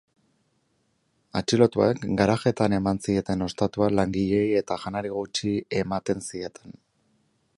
Atxilotuek garajeetan eman zieten ostatua langileei eta janari gutxi ematen zieten.